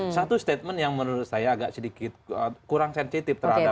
satu statement yang menurut saya agak sedikit kurang sensitif terhadap